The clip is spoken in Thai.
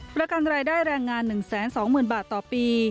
ประกันรายได้แรงงาน๑๒๐๐๐บาทต่อปี